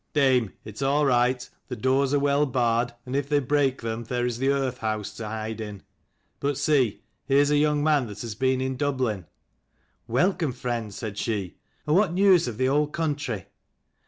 " Dame, it's all right ; the doors are well barred, and if they break them there is the earth house to hide in. But see, here's a young man has been in Dublin." "Welcome, friend," said she, "and what news of the old country?"